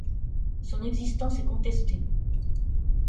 Son existence est contestée.